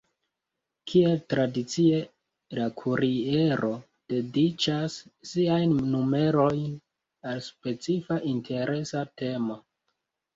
Kiel tradicie la Kuriero dediĉas siajn numerojn al specifa interesa temo.